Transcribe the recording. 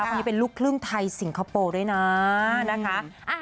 คนนี้เป็นลูกครึ่งไทยสิงคโปร์ด้วยนะนะคะ